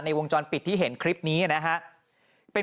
มีคนที่กูไม่เห็น